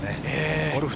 ゴルフ